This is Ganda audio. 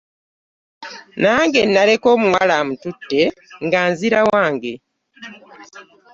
Nange nnaleka omuwala emututte nga nzira wange.